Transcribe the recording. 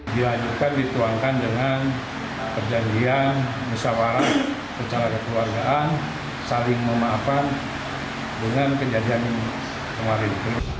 dihanyutkan dituangkan dengan perjanjian mesawaran percara kekeluargaan saling memaafkan dengan kejadian ini kemarin